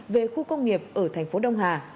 về khu công nghiệp ở thành phố đông hà